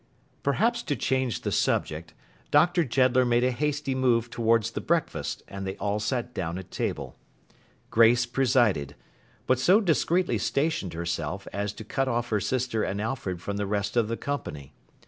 Perhaps to change the subject, Dr. Jeddler made a hasty move towards the breakfast, and they all sat down at table. Grace presided; but so discreetly stationed herself, as to cut off her sister and Alfred from the rest of the company.